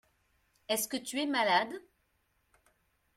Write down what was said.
Est-ce que tu es malade ?